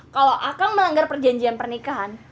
kalau akan melanggar perjanjian pernikahan